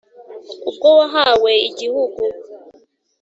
Ubwo wahawe igihugu,